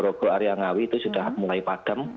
rogo area ngawi itu sudah mulai padam